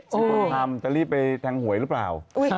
แต่ไม่ควรทำจะรีบไปแทงหวยหรือเปล่า